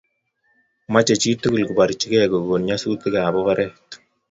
Mochei chitugul koborchikei kokon nyasutikab oret